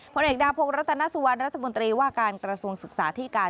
ผู้เอกดาวโพกรัฐนาสวรรค์รัฐบุญตรีว่าการกระทรวงศึกษาที่การ